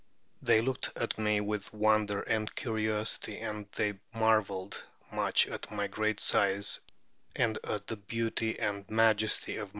They looked at me with wonder and curiosity, and they marveled much at my great size and at the beauty and majesty of my person.